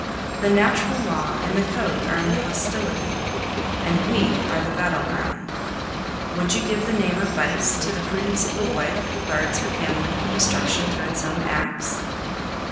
The natural law and the code are in hostility, and we are the battle ground. Would you give the name of vice to the prudence of the wife who guards her family from destruction through its own acts?